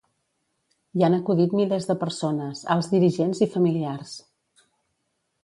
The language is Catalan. Hi han acudit milers de persones, alts dirigents i familiars.